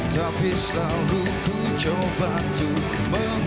tapi selalu ku coba tuh mengharumkanmu